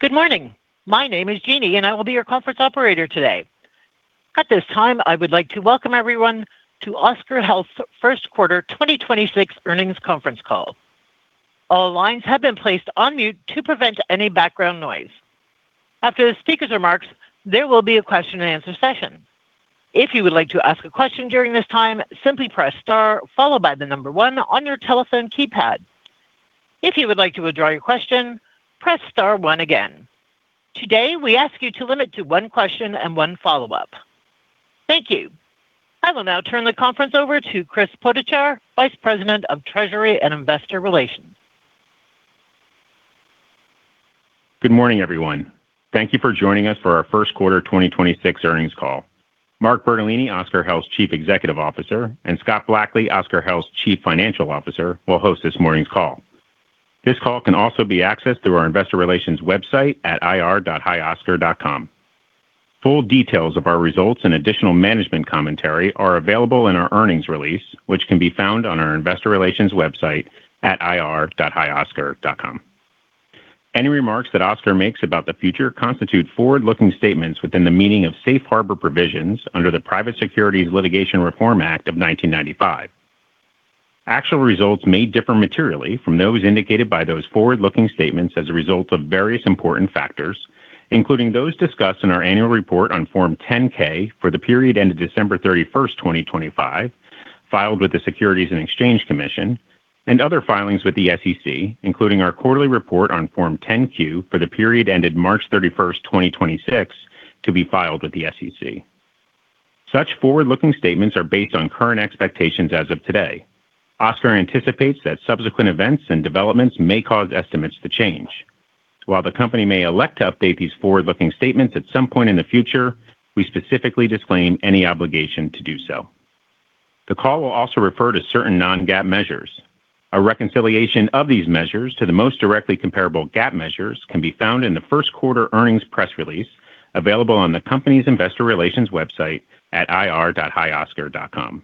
Good morning. My name is Jeannie, and I will be your conference operator today. At this time, I would like to welcome everyone to Oscar Health First Quarter 2026 Earnings Conference Call. All lines have been placed on mute to prevent any background noise. After the speaker's remarks, there will be a question-and-answer session. If you would like to ask a question during this time, simply press star followed by the number one on your telephone keypad. If you would like to withdraw your question, press star one again. Today, we ask you to limit to one question and one follow-up. Thank you. I will now turn the conference over to Chris Potochar, Vice President of Treasury and Investor Relations. Good morning, everyone. Thank you for joining us for our First Quarter 2026 Earnings Call. Mark Bertolini, Oscar Health's Chief Executive Officer, and Scott Blackley, Oscar Health's Chief Financial Officer, will host this morning's call. This call can also be accessed through our investor relations website at ir.hioscar.com. Full details of our results and additional management commentary are available in our earnings release, which can be found on our investor relations website at ir.hioscar.com. Any remarks that Oscar makes about the future constitute forward-looking statements within the meaning of Safe Harbor Provisions under the Private Securities Litigation Reform Act of 1995. Actual results may differ materially from those indicated by those forward-looking statements as a result of various important factors, including those discussed in our annual report on Form 10-K for the period ended December 31st, 2025, filed with the Securities and Exchange Commission, and other filings with the SEC, including our quarterly report on Form 10-Q for the period ended March 31st, 2026, to be filed with the SEC. Such forward-looking statements are based on current expectations as of today. Oscar anticipates that subsequent events and developments may cause estimates to change. While the company may elect to update these forward-looking statements at some point in the future, we specifically disclaim any obligation to do so. The call will also refer to certain non-GAAP measures. A reconciliation of these measures to the most directly comparable GAAP measures can be found in the first quarter earnings press release available on the company's investor relations website at ir.hioscar.com.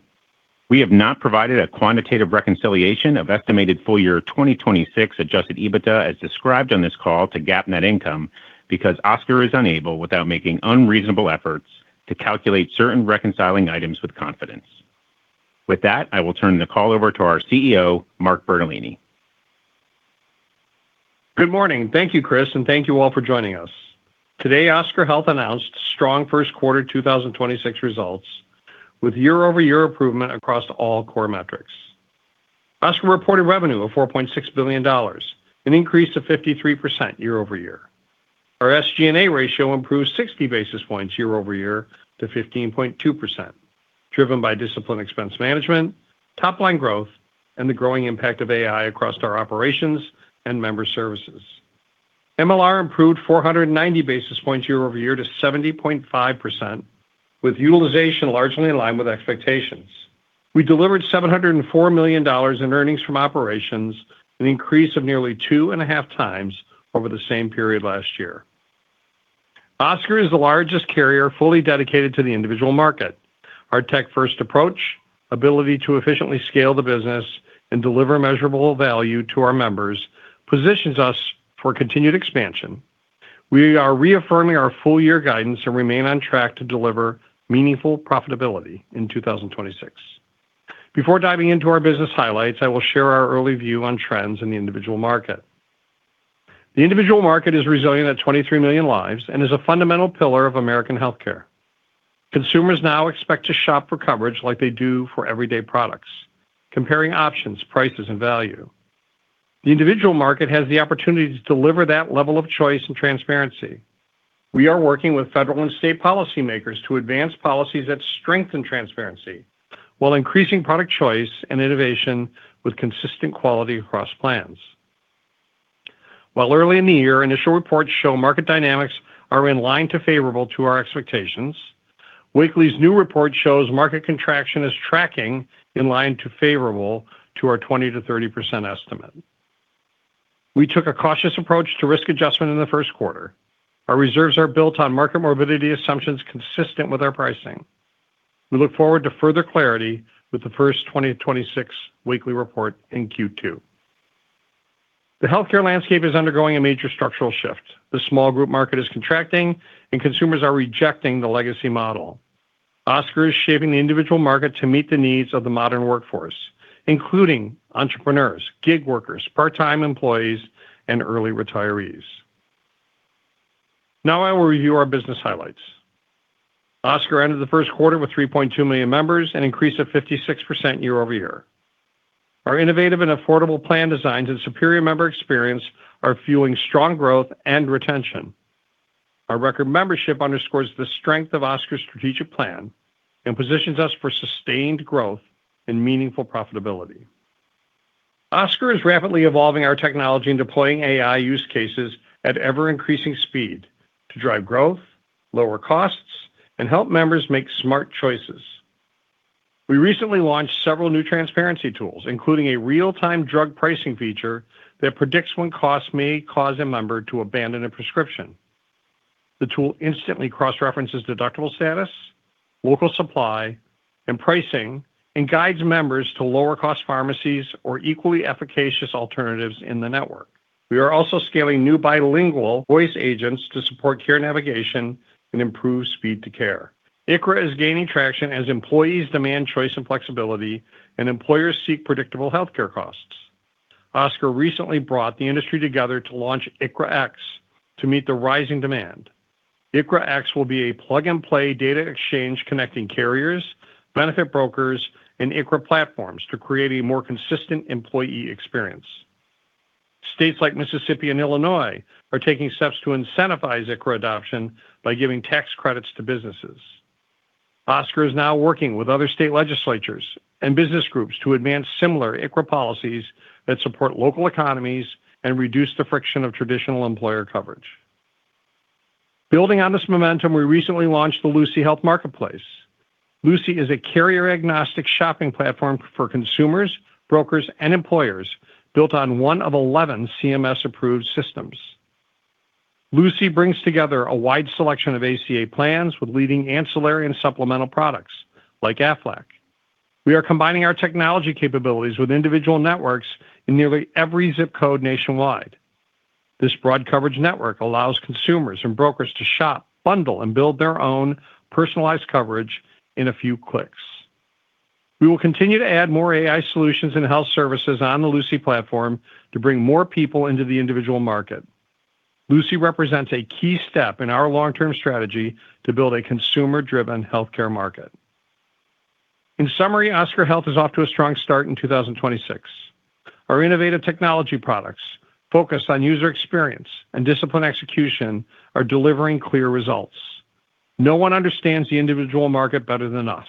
We have not provided a quantitative reconciliation of estimated full year 2026 adjusted EBITDA as described on this call to GAAP net income because Oscar is unable without making unreasonable efforts to calculate certain reconciling items with confidence. With that, I will turn the call over to our CEO, Mark Bertolini. Good morning. Thank you, Chris, and thank you all for joining us. Today, Oscar Health announced strong first quarter 2026 results with year-over-year improvement across all core metrics. Oscar reported revenue of $4.6 billion, an increase of 53% year-over-year. Our SG&A ratio improved 60 basis points year-over-year to 15.2%, driven by disciplined expense management, top-line growth, and the growing impact of AI across our operations and member services. MLR improved 490 basis points year-over-year to 70.5%, with utilization largely in line with expectations. We delivered $704 million in earnings from operations, an increase of nearly 2.5x over the same period last year. Oscar is the largest carrier fully dedicated to the individual market. Our tech-first approach, ability to efficiently scale the business, and deliver measurable value to our members positions us for continued expansion. We are reaffirming our full year guidance and remain on track to deliver meaningful profitability in 2026. Before diving into our business highlights, I will share our early view on trends in the individual market. The individual market is resilient at 23 million lives and is a fundamental pillar of American healthcare. Consumers now expect to shop for coverage like they do for everyday products, comparing options, prices, and value. The individual market has the opportunity to deliver that level of choice and transparency. We are working with federal and state policy makers to advance policies that strengthen transparency while increasing product choice and innovation with consistent quality across plans. While early in the year, initial reports show market dynamics are in line to favorable to our expectations, Wakely's new report shows market contraction is tracking in line to favorable to our 20%-30% estimate. We took a cautious approach to risk adjustment in the first quarter. Our reserves are built on market morbidity assumptions consistent with our pricing. We look forward to further clarity with the first 2026 Wakely report in Q2. The healthcare landscape is undergoing a major structural shift. The small group market is contracting and consumers are rejecting the legacy model. Oscar is shaping the individual market to meet the needs of the modern workforce, including entrepreneurs, gig workers, part-time employees, and early retirees. Now I will review our business highlights. Oscar ended the first quarter with 3.2 million members, an increase of 56% year-over-year. Our innovative and affordable plan designs and superior member experience are fueling strong growth and retention. Our record membership underscores the strength of Oscar's strategic plan and positions us for sustained growth and meaningful profitability. Oscar is rapidly evolving our technology and deploying AI use cases at ever-increasing speed to drive growth, lower costs, and help members make smart choices. We recently launched several new transparency tools, including a real-time drug pricing feature that predicts when costs may cause a member to abandon a prescription. The tool instantly cross-references deductible status, local supply, and pricing, and guides members to lower-cost pharmacies or equally efficacious alternatives in the network. We are also scaling new bilingual voice agents to support care navigation and improve speed to care. ICHRA is gaining traction as employees demand choice and flexibility and employers seek predictable healthcare costs. Oscar recently brought the industry together to launch ICHRAx to meet the rising demand. ICHRAx will be a plug-and-play data exchange connecting carriers, benefit brokers, and ICHRA platforms to create a more consistent employee experience. States like Mississippi and Illinois are taking steps to incentivize ICHRA adoption by giving tax credits to businesses. Oscar is now working with other state legislatures and business groups to advance similar ICHRA policies that support local economies and reduce the friction of traditional employer coverage. Building on this momentum, we recently launched the Lucie Health Marketplace. Lucie is a carrier-agnostic shopping platform for consumers, brokers, and employers built on one of 11 CMS-approved systems. Lucie brings together a wide selection of ACA plans with leading ancillary and supplemental products like Aflac. We are combining our technology capabilities with individual networks in nearly every zip code nationwide. This broad coverage network allows consumers and brokers to shop, bundle, and build their own personalized coverage in a few clicks. We will continue to add more AI solutions and health services on the Lucie platform to bring more people into the individual market. Lucie represents a key step in our long-term strategy to build a consumer-driven healthcare market. In summary, Oscar Health is off to a strong start in 2026. Our innovative technology products focused on user experience and disciplined execution are delivering clear results. No one understands the individual market better than us.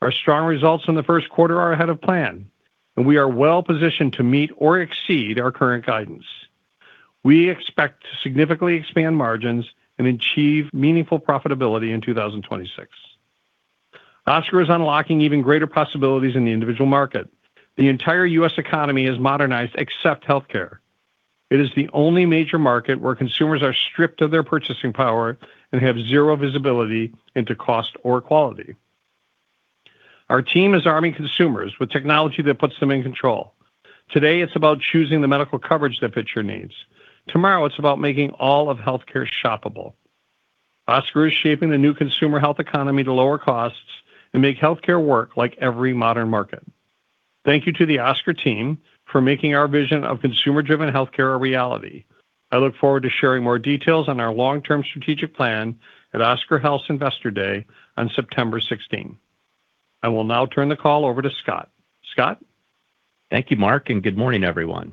Our strong results in the first quarter are ahead of plan, and we are well-positioned to meet or exceed our current guidance. We expect to significantly expand margins and achieve meaningful profitability in 2026. Oscar is unlocking even greater possibilities in the individual market. The entire U.S. economy is modernized except healthcare. It is the only major market where consumers are stripped of their purchasing power and have zero visibility into cost or quality. Our team is arming consumers with technology that puts them in control. Today, it's about choosing the medical coverage that fits your needs. Tomorrow, it's about making all of healthcare shoppable. Oscar is shaping the new consumer health economy to lower costs and make healthcare work like every modern market. Thank you to the Oscar team for making our vision of consumer-driven healthcare a reality. I look forward to sharing more details on our long-term strategic plan at Oscar Health's Investor Day on September 16. I will now turn the call over to Scott. Scott? Thank you, Mark, good morning, everyone.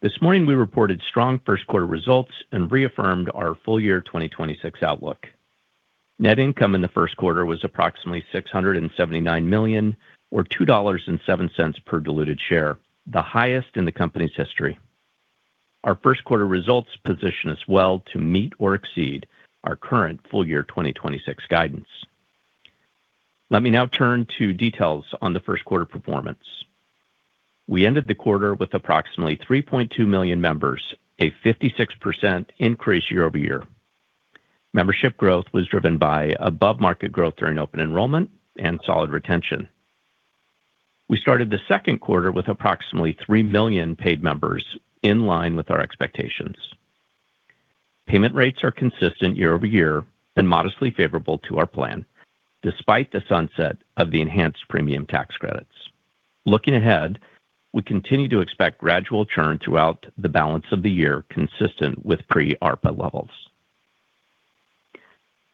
This morning we reported strong first quarter results and reaffirmed our full year 2026 outlook. Net income in the first quarter was approximately $679 million or $2.07 per diluted share, the highest in the company's history. Our first quarter results position us well to meet or exceed our current full year 2026 guidance. Let me now turn to details on the first quarter performance. We ended the quarter with approximately 3.2 million members, a 56% increase year-over-year. Membership growth was driven by above-market growth during open enrollment and solid retention. We started the second quarter with approximately 3 million paid members in line with our expectations. Payment rates are consistent year-over-year and modestly favorable to our plan despite the sunset of the enhanced premium tax credits. Looking ahead, we continue to expect gradual churn throughout the balance of the year, consistent with pre-ARPA levels.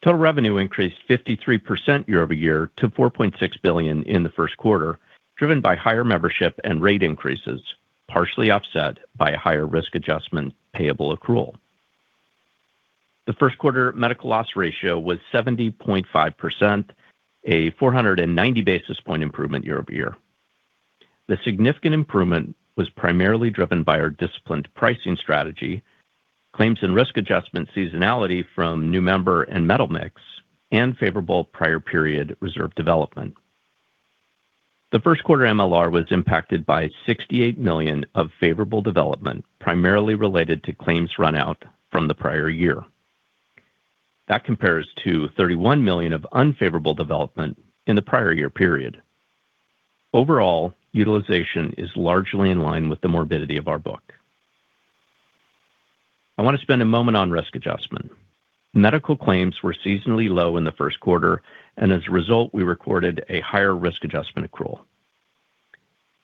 Total revenue increased 53% year-over-year to $4.6 billion in the first quarter, driven by higher membership and rate increases, partially offset by a higher risk adjustment payable accrual. The first quarter medical loss ratio was 70.5%, a 490 basis point improvement year-over-year. The significant improvement was primarily driven by our disciplined pricing strategy, claims and risk adjustment seasonality from new member and metal mix, and favorable prior period reserve development. The first quarter MLR was impacted by $68 million of favorable development, primarily related to claims runout from the prior year. That compares to $31 million of unfavorable development in the prior year period. Overall, utilization is largely in line with the morbidity of our book. I want to spend a moment on risk adjustment. Medical claims were seasonally low in the first quarter, and as a result, we recorded a higher risk adjustment accrual.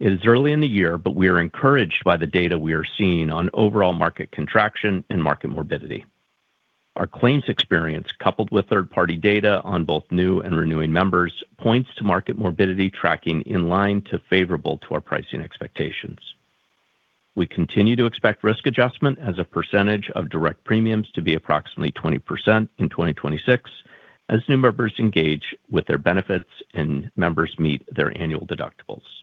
It is early in the year, but we are encouraged by the data we are seeing on overall market contraction and market morbidity. Our claims experience, coupled with third-party data on both new and renewing members, points to market morbidity tracking in line to favorable to our pricing expectations. We continue to expect risk adjustment as a percentage of direct premiums to be approximately 20% in 2026 as new members engage with their benefits and members meet their annual deductibles.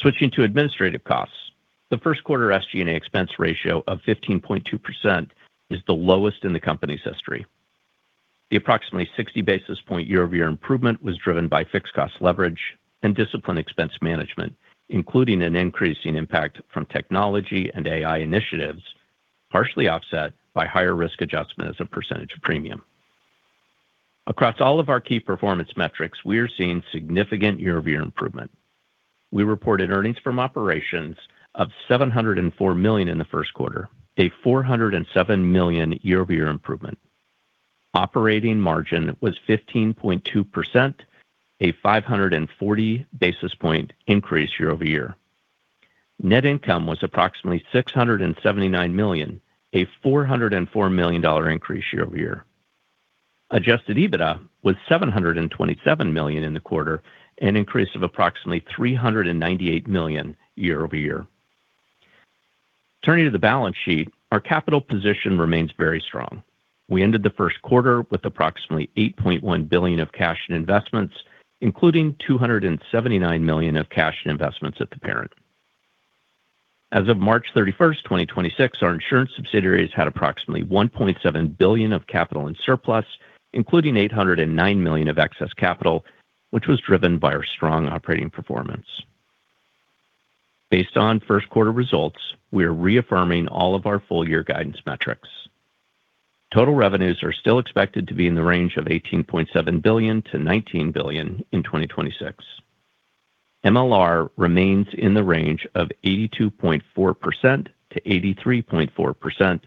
Switching to administrative costs, the first quarter SG&A expense ratio of 15.2% is the lowest in the company's history. The approximately 60 basis point year-over-year improvement was driven by fixed cost leverage and disciplined expense management, including an increasing impact from technology and AI initiatives, partially offset by higher risk adjustment as a percentage of premium. Across all of our key performance metrics, we are seeing significant year-over-year improvement. We reported earnings from operations of $704 million in the first quarter, a $407 million year-over-year improvement. Operating margin was 15.2%, a 540 basis point increase year-over-year. Net income was approximately $679 million, a $404 million increase year-over-year. Adjusted EBITDA was $727 million in the quarter, an increase of approximately $398 million year-over-year. Turning to the balance sheet, our capital position remains very strong. We ended the first quarter with approximately $8.1 billion of cash and investments, including $279 million of cash and investments at the parent. As of March 31st, 2026, our insurance subsidiaries had approximately $1.7 billion of capital in surplus, including $809 million of excess capital, which was driven by our strong operating performance. Based on first quarter results, we are reaffirming all of our full year guidance metrics. Total revenues are still expected to be in the range of $18.7 billion-$19 billion in 2026. MLR remains in the range of 82.4% to 83.4%,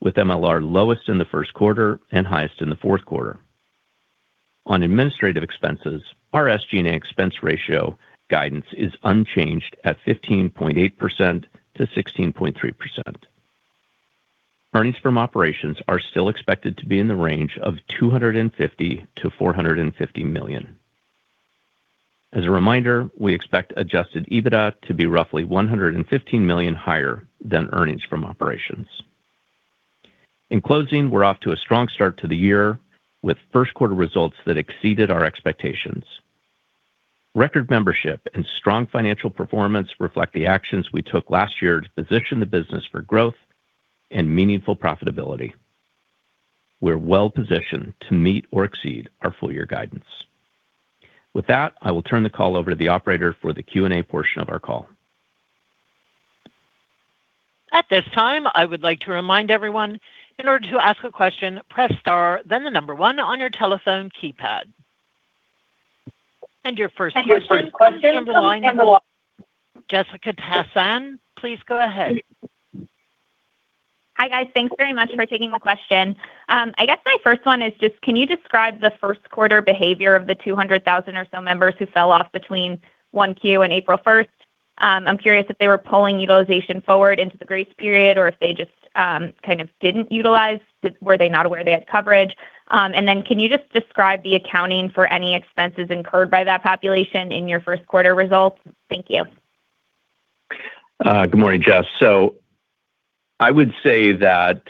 with MLR lowest in the first quarter and highest in the fourth quarter. On administrative expenses, our SG&A expense ratio guidance is unchanged at 15.8%-16.3%. Earnings from operations are still expected to be in the range of $250 million-$450 million. As a reminder, we expect adjusted EBITDA to be roughly $115 million higher than earnings from operations. In closing, we're off to a strong start to the year with first quarter results that exceeded our expectations. Record membership and strong financial performance reflect the actions we took last year to position the business for growth and meaningful profitability. We're well-positioned to meet or exceed our full year guidance. With that, I will turn the call over to the operator for the Q&A portion of our call. At this time, I would like to remind everyone, in order to ask a question, press star then the number one on your telephone keypad. Your first question in the line- Jessica Tassan, please go ahead. Hi, guys. Thanks very much for taking the question. I guess my first one is just can you describe the first quarter behavior of the 200,000 or so members who fell off between 1Q and April 1st? I'm curious if they were pulling utilization forward into the grace period or if they just kind of didn't utilize. Were they not aware they had coverage? Can you just describe the accounting for any expenses incurred by that population in your first quarter results? Thank you. Good morning, Jess. I would say that,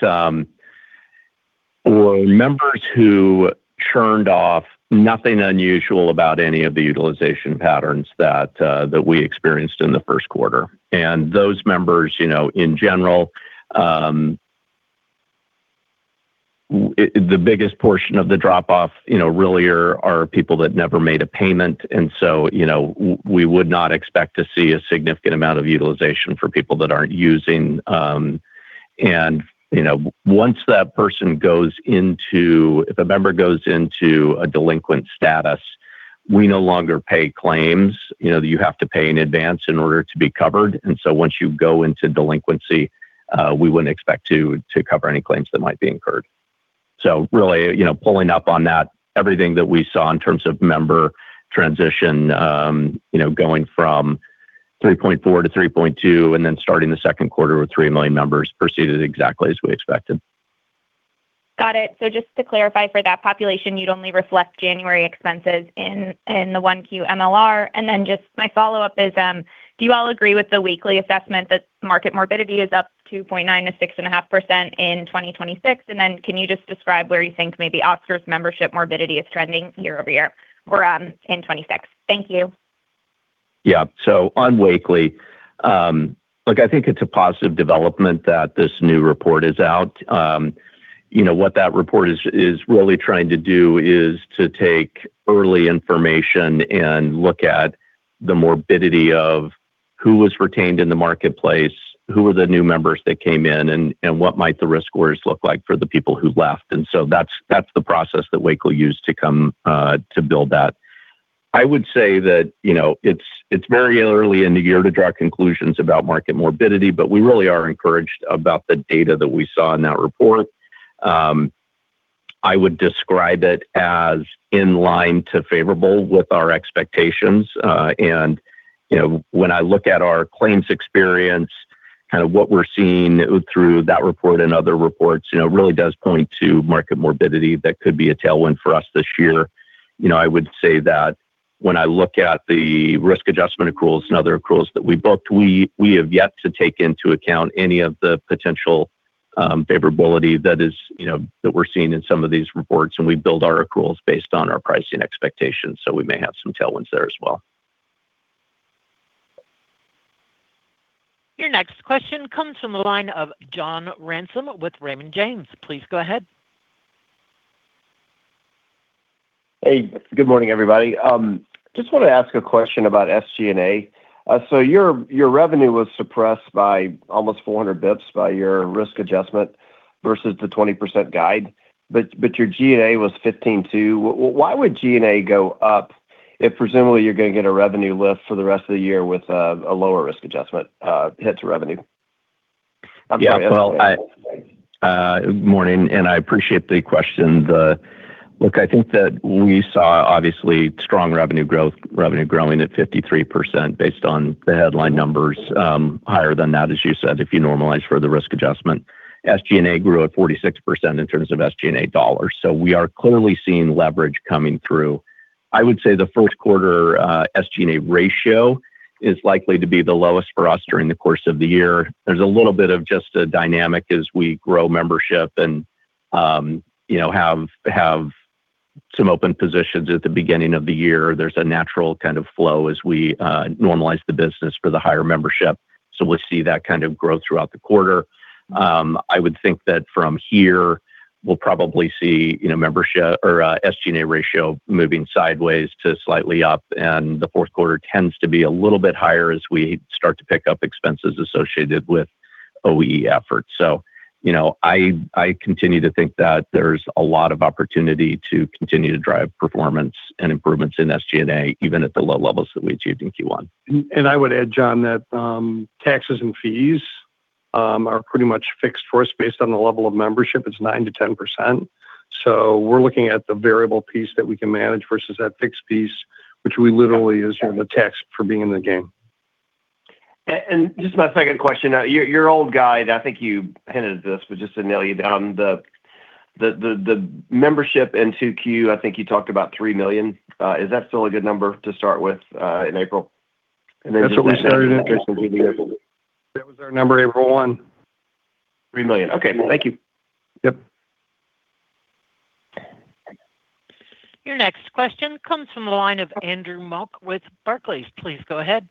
for members who churned off, nothing unusual about any of the utilization patterns that we experienced in the first quarter. Those members, you know, in general, the biggest portion of the drop-off, you know, really are people that never made a payment. You know, we would not expect to see a significant amount of utilization for people that aren't using. You know, once that person goes into, if a member goes into a delinquent status, we no longer pay claims. You know, you have to pay in advance in order to be covered. Once you go into delinquency, we wouldn't expect to cover any claims that might be incurred. Really, you know, pulling up on that, everything that we saw in terms of member transition, you know, going from 3.4 million-3.2 million, and then starting the second quarter with 3 million members proceeded exactly as we expected. Got it. Just to clarify for that population, you'd only reflect January expenses in the 1Q MLR. Just my follow-up is, do you all agree with the Wakely assessment that market morbidity is up 2.9%-6.5% in 2026? Can you just describe where you think maybe Oscar's membership morbidity is trending year-over-year or in 2026? Thank you. On Wakely, look, I think it's a positive development that this new report is out. You know, what that report is really trying to do is to take early information and look at the morbidity of who was retained in the marketplace, who were the new members that came in, and what might the risk scores look like for the people who left. That's the process that Wakely used to come to build that. I would say that, you know, it's very early in the year to draw conclusions about market morbidity, we really are encouraged about the data that we saw in that report. I would describe it as in line to favorable with our expectations. You know, when I look at our claims experience, kind of what we're seeing through that report and other reports, you know, really does point to market morbidity that could be a tailwind for us this year. You know, I would say that when I look at the risk adjustment accruals and other accruals that we booked, we have yet to take into account any of the potential favorability that is, you know, that we're seeing in some of these reports, and we build our accruals based on our pricing expectations, so we may have some tailwinds there as well. Your next question comes from the line of John Ransom with Raymond James. Please go ahead. Hey, good morning, everybody. Just wanna ask a question about SG&A. Your revenue was suppressed by almost 400 basis points by your risk adjustment versus the 20% guide, but your GA was 15.2%. Why would G&A go up if presumably you're gonna get a revenue lift for the rest of the year with a lower risk adjustment hit to revenue? Yeah. Well- I'm sorry. Morning, I appreciate the question. Look, I think that we saw obviously strong revenue growth, revenue growing at 53% based on the headline numbers, higher than that, as you said, if you normalize for the risk adjustment. SG&A grew at 46% in terms of SG&A dollars. We are clearly seeing leverage coming through. I would say the first quarter SG&A ratio is likely to be the lowest for us during the course of the year. There's a little bit of just a dynamic as we grow membership and, you know, have some open positions at the beginning of the year. There's a natural kind of flow as we normalize the business for the higher membership, we'll see that kind of growth throughout the quarter. I would think that from here we'll probably see, you know, membership or SG&A ratio moving sideways to slightly up, and the fourth quarter tends to be a little bit higher as we start to pick up expenses associated with OE efforts. You know, I continue to think that there's a lot of opportunity to continue to drive performance and improvements in SG&A, even at the low levels that we achieved in Q1. I would add, John, that taxes and fees are pretty much fixed for us based on the level of membership. It's 9%-10%. We're looking at the variable piece that we can manage versus that fixed piece, which we literally is sort of a tax for being in the game. Just my second question. Your old guide, I think you hinted at this, but just to nail you down, the membership in 2Q, I think you talked about 3 million. Is that still a good number to start with in April? That's what we started at. Just in case we need to- That was our number April 1. 3 million. Okay. Thank you. Yep. Your next question comes from the line of Andrew Mok with Barclays. Please go ahead.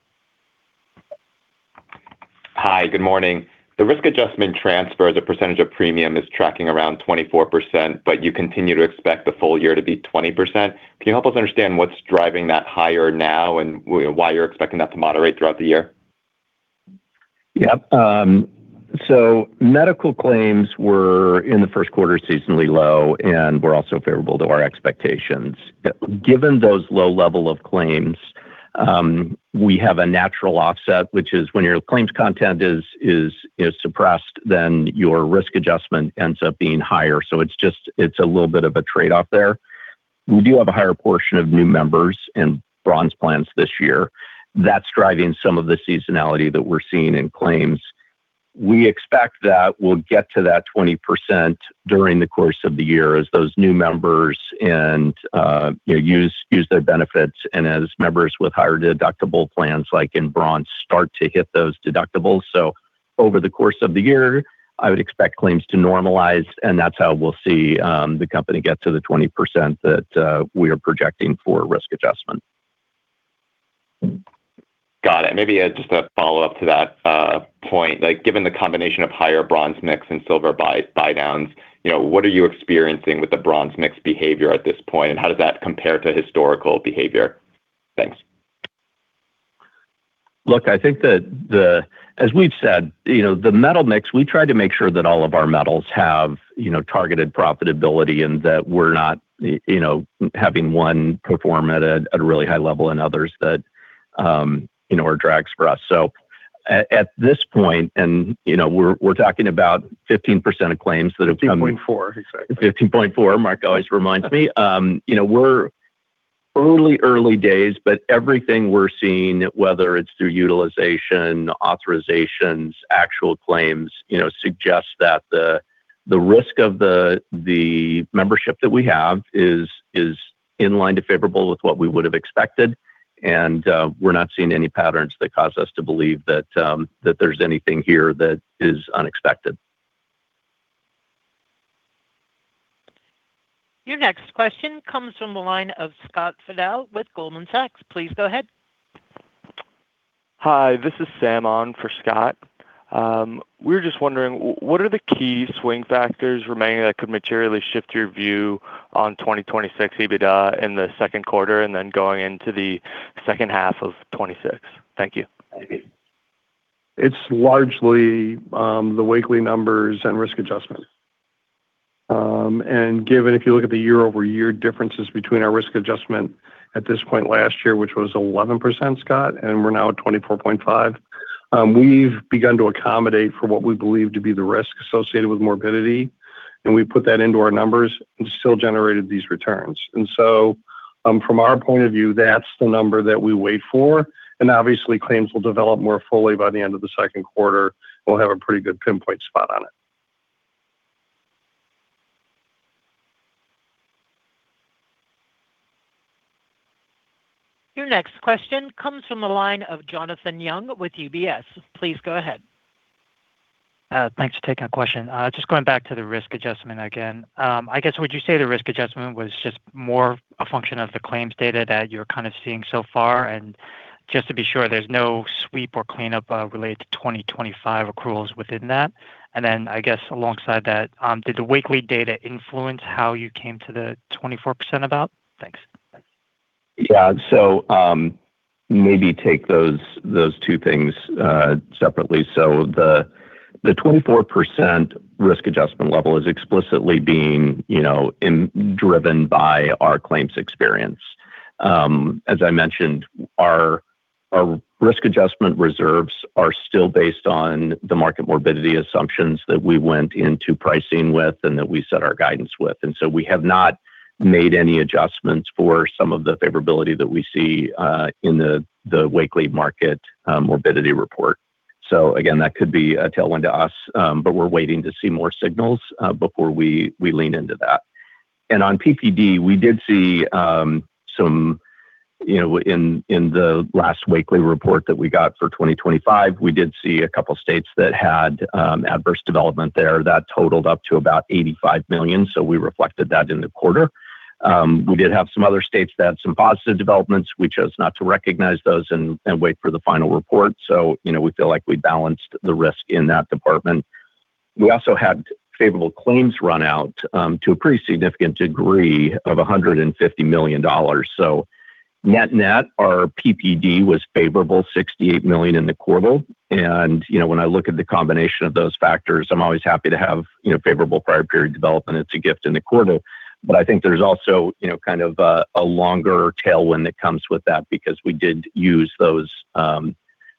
Hi, good morning. The risk adjustment transfer as a percentage of premium is tracking around 24%, but you continue to expect the full year to be 20%. Can you help us understand what's driving that higher now and why you're expecting that to moderate throughout the year? Medical claims were in the first quarter seasonally low and were also favorable to our expectations. Given those low level of claims, we have a natural offset, which is when your claims content is suppressed, then your risk adjustment ends up being higher. It's just, it's a little bit of a trade-off there. We do have a higher portion of new members in Bronze plans this year. That's driving some of the seasonality that we're seeing in claims. We expect that we'll get to that 20% during the course of the year as those new members and, use their benefits and as members with higher deductible plans, like in bronze, start to hit those deductibles. Over the course of the year, I would expect claims to normalize, and that's how we'll see the company get to the 20% that we are projecting for risk adjustment. Got it. Maybe just a follow-up to that point. Like, given the combination of higher bronze mix and silver buy downs, you know, what are you experiencing with the bronze mix behavior at this point, and how does that compare to historical behavior? Thanks. Look, I think the as we've said, you know, the metal mix, we try to make sure that all of our metals have, you know, targeted profitability and that we're not, you know, having one perform at a really high level and others that, you know, are drags for us. At this point, and, you know, we're talking about 15% of claims that have. 15.4%. Sorry. 15.4%, Mark always reminds me. You know, we're early days, everything we're seeing, whether it's through utilization, authorizations, actual claims, you know, suggests that the risk of the membership that we have is in line to favorable with what we would have expected. We're not seeing any patterns that cause us to believe that there's anything here that is unexpected. Your next question comes from the line of Scott Fidel with Goldman Sachs. Please go ahead. Hi, this is Sam on for Scott. We're just wondering, what are the key swing factors remaining that could materially shift your view on 2026 EBITDA in the second quarter and then going into the second half of 2026? Thank you. It's largely the Wakely numbers and risk adjustment. Given if you look at the year-over-year differences between our risk adjustment at this point last year, which was 11%, Scott, and we're now at 24.5%, we've begun to accommodate for what we believe to be the risk associated with morbidity, and we put that into our numbers and still generated these returns. So, from our point of view, that's the number that we wait for, obviously claims will develop more fully by the end of the second quarter. We'll have a pretty good pinpoint spot on it. Your next question comes from the line of Jonathan Yong with UBS. Please go ahead. Thanks for taking a question. Just going back to the risk adjustment again. I guess, would you say the risk adjustment was just more a function of the claims data that you're kind of seeing so far? Just to be sure there's no sweep or cleanup, related to 2025 accruals within that. Then I guess alongside that, did the Wakely data influence how you came to the 24% about? Thanks. Yeah. Maybe take those two things separately. The 24% risk adjustment level is explicitly being, you know, driven by our claims experience. As I mentioned, our risk adjustment reserves are still based on the market morbidity assumptions that we went into pricing with and that we set our guidance with. We have not made any adjustments for some of the favorability that we see in the Wakely market morbidity report. Again, that could be a tailwind to us, but we're waiting to see more signals before we lean into that. On PPD, we did see some in the last Wakely report that we got for 2025, we did see a couple states that had adverse development there that totaled up to about $85 million, so we reflected that in the quarter. We did have some other states that had some positive developments. We chose not to recognize those and wait for the final report. We feel like we balanced the risk in that department. We also had favorable claims run out to a pretty significant degree of $150 million. Net-net, our PPD was favorable, $68 million in the quarter. When I look at the combination of those factors, I'm always happy to have favorable prior period development. It's a gift in the quarter. I think there's also, you know, kind of a longer tailwind that comes with that because we did use those,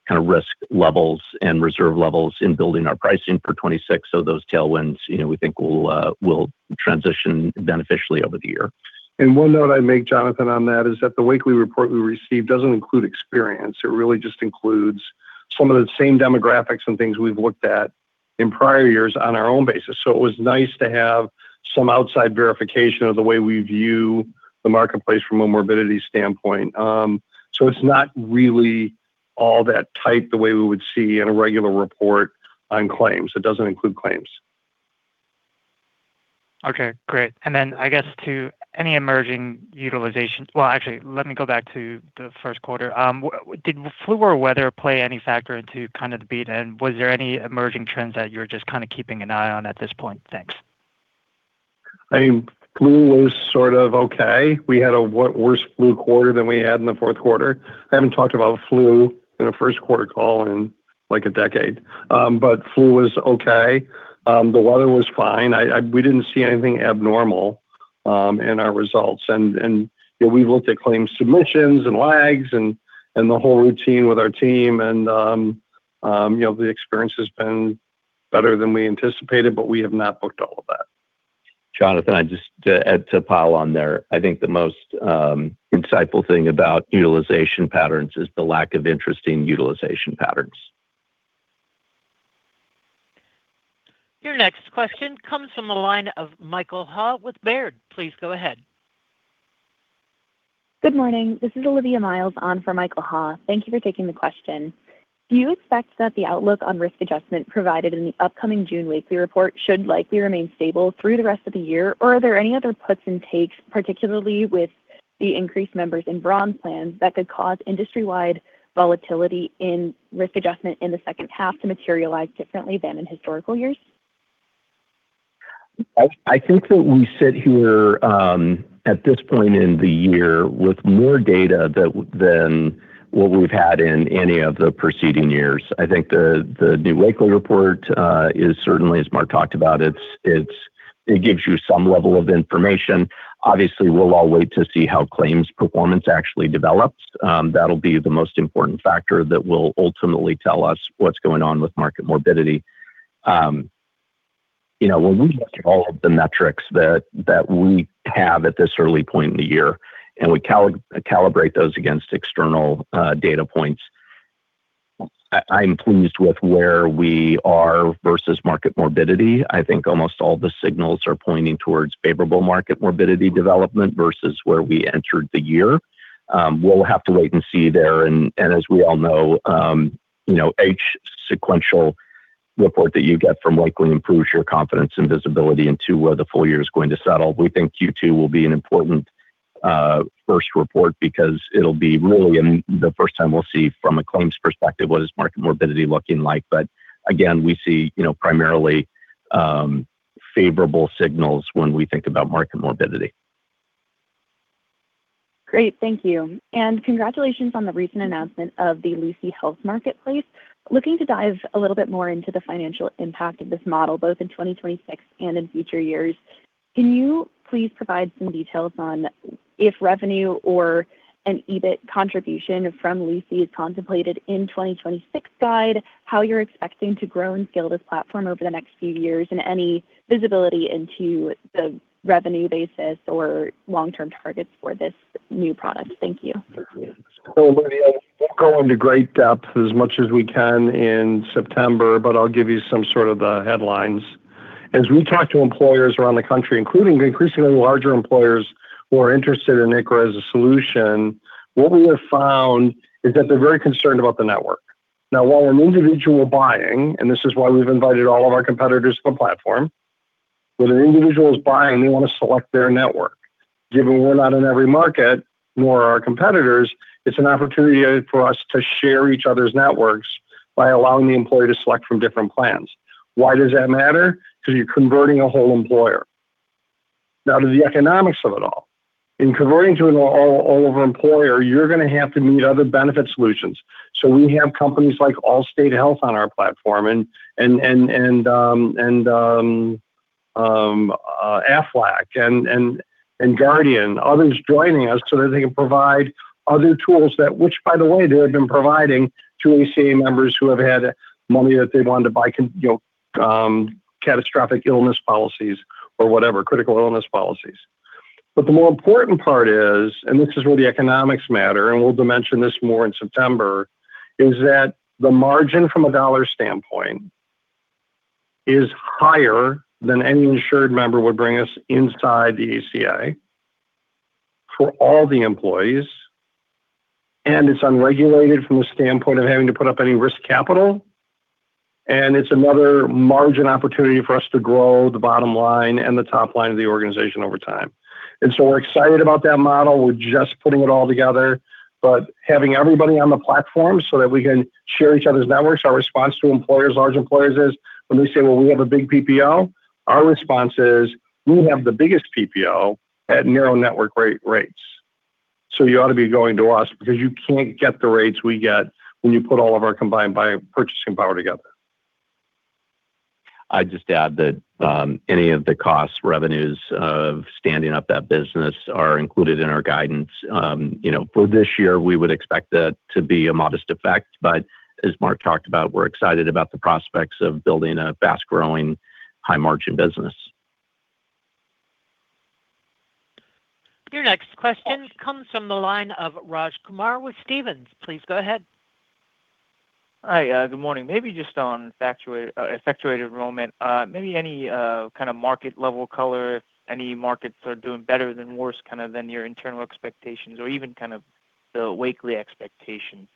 kind of risk levels and reserve levels in building our pricing for 2026. Those tailwinds, you know, we think will transition beneficially over the year. One note I'd make, Jonathan, on that is that the Wakely report we received doesn't include experience. It really just includes some of the same demographics and things we've looked at in prior years on our own basis. It was nice to have some outside verification of the way we view the marketplace from a morbidity standpoint. It's not really all that tight the way we would see in a regular report on claims. It doesn't include claims. Okay, great. And then I guess to any emerging utilization, well, actually, let me go back to the first quarter. Did flu or weather play any factor into kind of the beat? Was there any emerging trends that you're just kind of keeping an eye on at this point? Thanks. I mean, flu was sort of okay. We had a worse flu quarter than we had in the fourth quarter. I haven't talked about flu in a first quarter call in, like, a decade. Flu was okay. The weather was fine. We didn't see anything abnormal in our results. You know, we looked at claims submissions and lags and the whole routine with our team and, you know, the experience has been better than we anticipated, we have not booked all of that. Jonathan, I just, to add to pile on there, I think the most insightful thing about utilization patterns is the lack of interesting utilization patterns. Your next question comes from the line of Michael Ha with Baird. Please go ahead. Good morning. This is Olivia Miles on for Michael Ha. Thank you for taking the question. Do you expect that the outlook on risk adjustment provided in the upcoming June Wakely report should likely remain stable through the rest of the year? Are there any other puts and takes, particularly with the increased members in bronze plans, that could cause industry-wide volatility in risk adjustment in the second half to materialize differently than in historical years? I think that we sit here at this point in the year with more data than what we've had in any of the preceding years. I think the new Wakely report is certainly, as Mark talked about, it gives you some level of information. Obviously, we'll all wait to see how claims performance actually develops. That'll be the most important factor that will ultimately tell us what's going on with market morbidity. You know, when we look at all of the metrics that we have at this early point in the year and we calibrate those against external data points, I'm pleased with where we are versus market morbidity. I think almost all the signals are pointing towards favorable market morbidity development versus where we entered the year. We'll have to wait and see there, and as we all know, you know, each sequential report that you get from Wakely improves your confidence and visibility into where the full year is going to settle. We think Q2 will be an important first report because it'll be really the first time we'll see from a claims perspective what is market morbidity looking like. Again, we see, you know, primarily favorable signals when we think about market morbidity. Great. Thank you. Congratulations on the recent announcement of the Lucie Health Marketplace. Looking to dive a little bit more into the financial impact of this model, both in 2026 and in future years, can you please provide some details on if revenue or an EBIT contribution from Lucie is contemplated in 2026 guide, how you're expecting to grow and scale this platform over the next few years, and any visibility into the revenue basis or long-term targets for this new product? Thank you. Olivia, we'll go into great depth as much as we can in September, but I'll give you some sort of the headlines. As we talk to employers around the country, including increasingly larger employers who are interested in ICHRA as a solution, what we have found is that they're very concerned about the network. While an individual buying, and this is why we've invited all of our competitors to the platform, when an individual is buying, they want to select their network. Given we're not in every market, nor are our competitors, it's an opportunity for us to share each other's networks by allowing the employee to select from different plans. Why does that matter? You're converting a whole employer. To the economics of it all. In converting to an overall employer, you're gonna have to meet other benefit solutions. We have companies like Allstate Health on our platform, Aflac and Guardian, others joining us so that they can provide other tools that which by the way, they have been providing to ACA members who have had money that they wanted to buy, you know, catastrophic illness policies or whatever, critical illness policies. The more important part is, and this is where the economics matter, and we'll dimension this more in September, is that the margin from a dollar standpoint is higher than any insured member would bring us inside the ACA for all the employees, and it's unregulated from the standpoint of having to put up any risk capital. It's another margin opportunity for us to grow the bottom line and the top line of the organization over time. We're excited about that model. We're just putting it all together. Having everybody on the platform so that we can share each other's networks, our response to employers, large employers is when they say, "Well, we have a big PPO," our response is, "We have the biggest PPO at neural network rates. You ought to be going to us because you can't get the rates we get when you put all of our combined purchasing power together. I'd just add that any of the costs, revenues of standing up that business are included in our guidance. You know, for this year, we would expect that to be a modest effect. As Mark talked about, we're excited about the prospects of building a fast-growing, high-margin business. Your next question comes from the line of Raj Kumar with Stephens. Please go ahead. Hi. Good morning. Maybe just on effectuated enrollment, maybe any, kind of market level color, if any markets are doing better than worse kind of than your internal expectations or even kind of the Wakely expectations?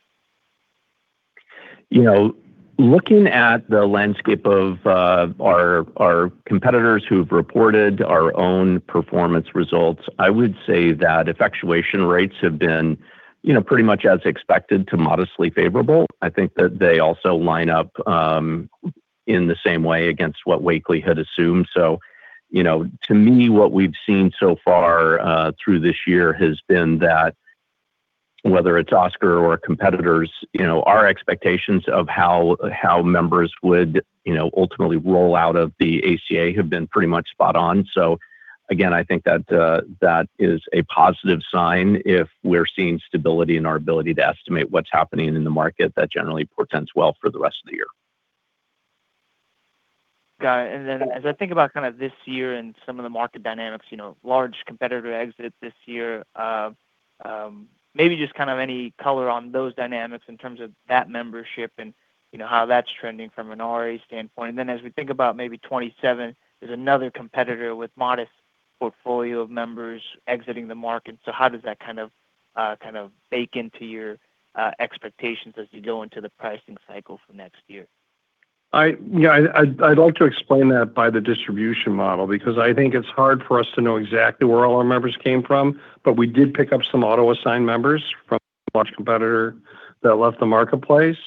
You know, looking at the landscape of our competitors who've reported our own performance results, I would say that effectuation rates have been, you know, pretty much as expected to modestly favorable. I think that they also line up in the same way against what Wakely had assumed. You know, to me, what we've seen so far through this year has been that whether it's Oscar or competitors, you know, our expectations of how members would, you know, ultimately roll out of the ACA have been pretty much spot on. Again, I think that that is a positive sign if we're seeing stability in our ability to estimate what's happening in the market, that generally portends well for the rest of the year. Got it. Then as I think about kind of this year and some of the market dynamics, you know, large competitor exits this year, maybe just kind of any color on those dynamics in terms of that membership and, you know, how that's trending from an RA standpoint. Then as we think about maybe 2027, there's another competitor with modest portfolio of members exiting the market. How does that kind of bake into your expectations as you go into the pricing cycle for next year? Yeah, I'd like to explain that by the distribution model, because I think it's hard for us to know exactly where all our members came from. We did pick up some auto-assign members from a large competitor that left the marketplace.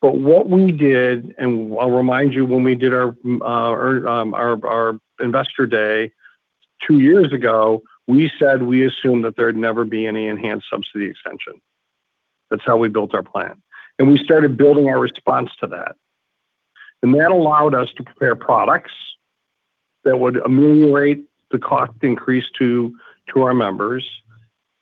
What we did, and I'll remind you, when we did our Investor Day two years ago, we said we assume that there'd never be any enhanced subsidy extension. That's how we built our plan. We started building our response to that. That allowed us to prepare products that would ameliorate the cost increase to our members.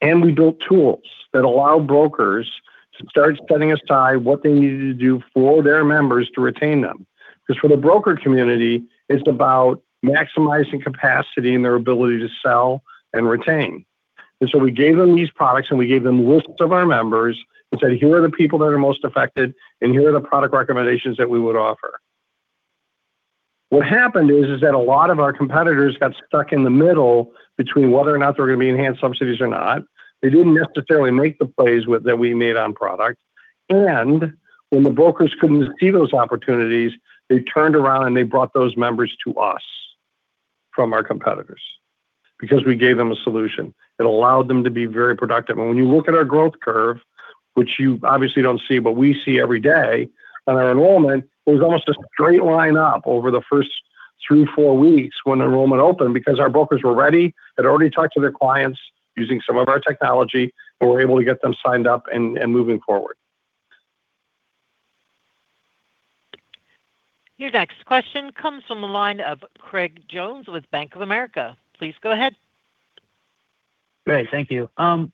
We built tools that allow brokers to start customizing what they needed to do for their members to retain them. Because for the broker community, it's about maximizing capacity and their ability to sell and retain. We gave them these products, and we gave them lists of our members and said, "Here are the people that are most affected, and here are the product recommendations that we would offer." What happened is that a lot of our competitors got stuck in the middle between whether or not there were going to be enhanced subsidies or not. They didn't necessarily make the plays that we made on product. When the brokers couldn't see those opportunities, they turned around, and they brought those members to us from our competitors because we gave them a solution. It allowed them to be very productive. When you look at our growth curve, which you obviously don't see, but we see every day on our enrollment, it was almost a straight line up over the first three, four weeks when enrollment opened because our brokers were ready. They'd already talked to their clients using some of our technology, and we were able to get them signed up and moving forward. Your next question comes from the line of Craig Jones with Bank of America. Please go ahead. Great. Thank you. I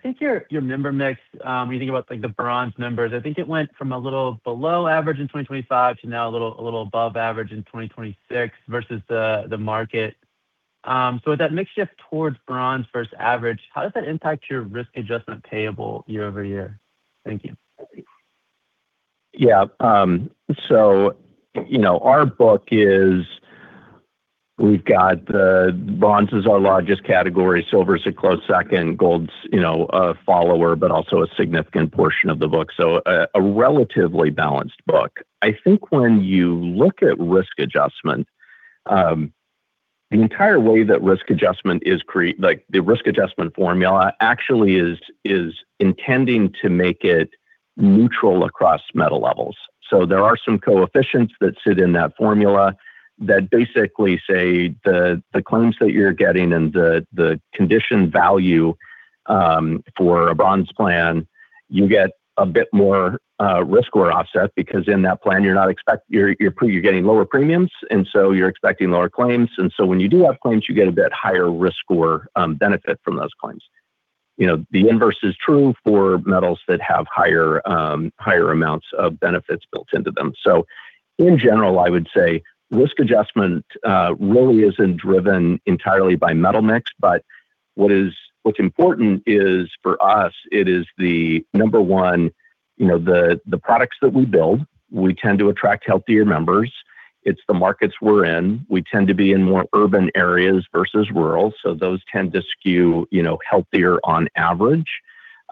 think your member mix, when you think about, like, the bronze members, I think it went from a little below average in 2025 to now a little above average in 2026 versus the market. With that mix shift towards bronze versus average, how does that impact your risk adjustment payable year-over-year? Thank you. You know, our book is we've got bronze is our largest category. SIlver is a close second. Gold's, you know, a follower, also a significant portion of the book. A relatively balanced book. I think when you look at risk adjustment, the entire way that risk adjustment formula actually is intending to make it neutral across metal levels. There are some coefficients that sit in that formula that basically say the claims that you're getting and the condition value for a bronze plan, you get a bit more risk or offset because in that plan you're getting lower premiums, you're expecting lower claims. When you do have claims, you get a bit higher risk or benefit from those claims. You know, the inverse is true for metals that have higher amounts of benefits built into them. In general, I would say risk adjustment really isn't driven entirely by metal mix. What's important is, for us it is the number one, you know, the products that we build, we tend to attract healthier members. It's the markets we're in. We tend to be in more urban areas versus rural, so those tend to skew, you know, healthier on average.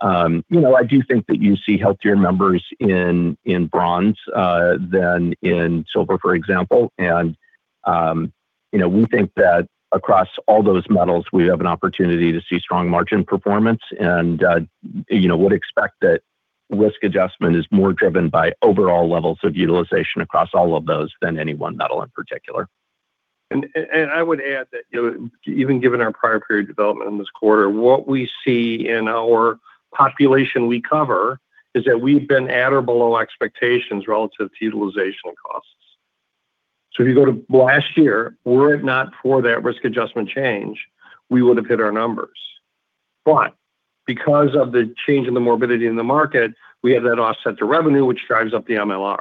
You know, I do think that you see healthier members in bronze than in silver, for example. You know, we think that across all those metals, we have an opportunity to see strong margin performance and, you know, would expect that risk adjustment is more driven by overall levels of utilization across all of those than any one metal in particular. I would add that, you know, even given our prior period development in this quarter, what we see in our population we cover is that we've been at or below expectations relative to utilizational costs. If you go to last year, were it not for that risk adjustment change, we would have hit our numbers. Because of the change in the morbidity in the market, we have that offset to revenue, which drives up the MLR.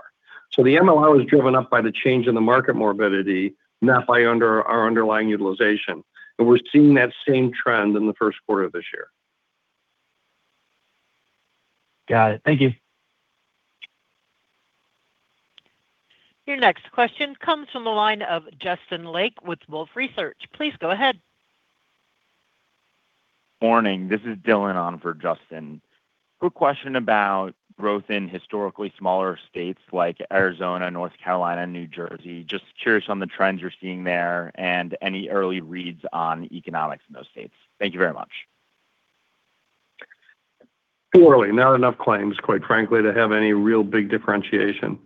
The MLR was driven up by the change in the market morbidity, not by under our underlying utilization. We're seeing that same trend in the first quarter of this year. Got it. Thank you. Your next question comes from the line of Justin Lake with Wolfe Research. Please go ahead. Morning, this is Dylan on for Justin. Quick question about growth in historically smaller states like Arizona, North Carolina, New Jersey. Just curious on the trends you're seeing there and any early reads on economics in those states. Thank you very much. Poorly. Not enough claims, quite frankly, to have any real big differentiation.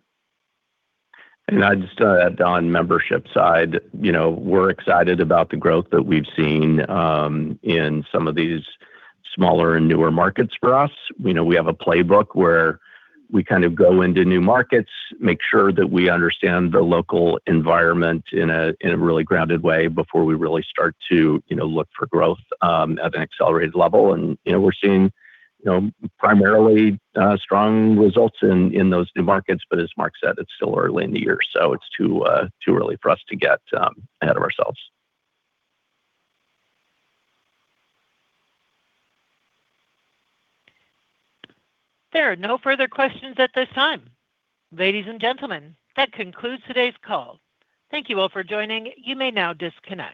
I'd just add on membership side, you know, we're excited about the growth that we've seen in some of these smaller and newer markets for us. You know, we have a playbook where we kind of go into new markets, make sure that we understand the local environment in a really grounded way before we really start to, you know, look for growth at an accelerated level. You know, we're seeing, you know, primarily strong results in those new markets. As Mark said, it's still early in the year, so it's too early for us to get ahead of ourselves. There are no further questions at this time. Ladies and gentlemen, that concludes today's call. Thank you all for joining. You may now disconnect.